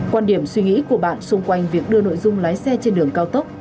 quan điểm suy nghĩ của bạn xung quanh việc đưa nội dung lái xe trên đường cao tốc